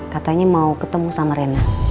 katanya mau ketemu sama rena